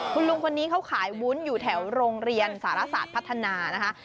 คุณลุงคนนี้เขาขายวุ้นอยู่แถวโรงเรียนสารศาสตร์พัฒนานะคะ